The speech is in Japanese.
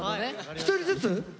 １人ずつ？